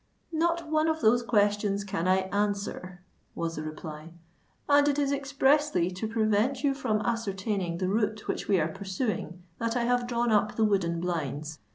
"Not one of those questions can I answer," was the reply; "and it is expressly to prevent you from ascertaining the route which we are pursuing that I have drawn up the wooden blinds.